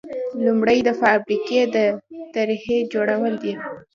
لومړی د فابریکې د طرحې جوړول دي.